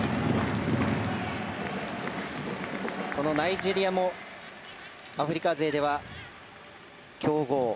ナイジェリアもアフリカ勢では強豪。